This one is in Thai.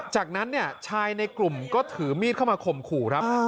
จากนั้นเนี่ยชายในกลุ่มก็ถือมีดเข้ามาข่มขู่ครับ